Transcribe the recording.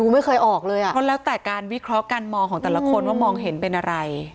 ไม่เคยออกเลยอ่ะเพราะแล้วแต่การวิเคราะห์การมองของแต่ละคนว่ามองเห็นเป็นอะไร